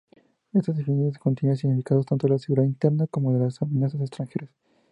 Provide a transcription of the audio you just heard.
Estas definiciones contienen significados tanto de la seguridad interna como de las amenazas extranjeras.